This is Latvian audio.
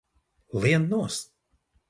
Lien nost!